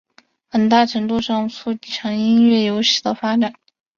很大程度上促成音乐游戏的发展。